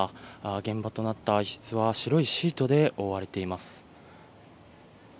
現場となった一室は、白いシートで覆われています。